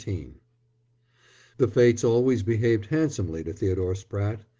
XIII THE fates always behaved handsomely to Theodore Spratte.